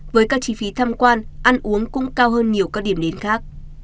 với các chi phí tham quan ăn uống cũng cao hơn nhiều các điểm đến khác